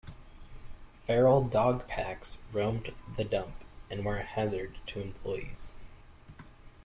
Feral dog packs roamed the dump and were a hazard to employees.